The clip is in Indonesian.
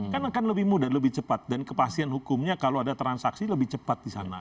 kan akan lebih mudah lebih cepat dan kepastian hukumnya kalau ada transaksi lebih cepat di sana